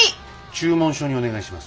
注文書にお願いします。